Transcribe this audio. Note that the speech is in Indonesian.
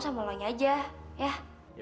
sambang sambang aja ya